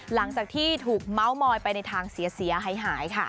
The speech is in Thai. หลังจากที่ถูกเม้ามอยไปในทางเสียหายค่ะ